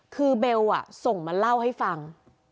คือเบลส่งมาเล่าให้ฟัง